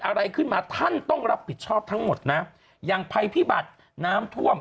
อะไรขึ้นมาท่านต้องรับผิดชอบทั้งหมดนะอย่างภัยพิบัติน้ำท่วม